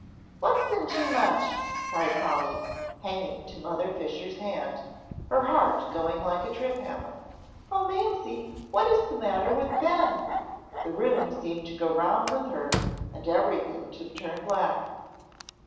"What's been too much?" cried Polly, hanging to Mother Fisher's hand, her heart going like a trip hammer. "Oh, Mamsie, what is the matter with Ben?" The room seemed to go round with her and everything to turn black.